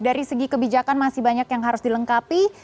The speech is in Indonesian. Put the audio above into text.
dari segi kebijakan masih banyak yang harus dilengkapi